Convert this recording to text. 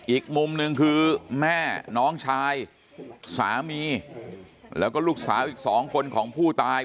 อีกมุมหนึ่งคือแม่น้องชายสามีแล้วก็ลูกสาวอีก๒คนของผู้ตาย